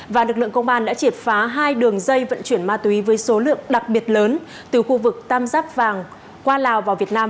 và lực lượng công an đã triệt phá hai đường dây vận chuyển ma túy với số lượng đặc biệt lớn từ khu vực tam giác vàng qua lào vào việt nam